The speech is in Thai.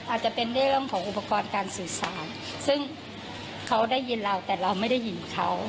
อาจจะเป็นเรื่องของอุปกรณ์การสื่อสารซึ่งเขาได้ยินเราแต่เราไม่ได้ยินเขา